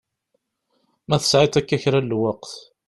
Ma tesɛiḍ akka kra n lweqt.